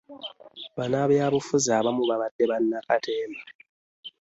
Bannabyabufuzi abamu babadde bannakatemba.